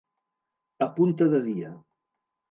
A punta de dia.